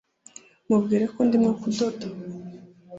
mubwire ko ndimo kudoda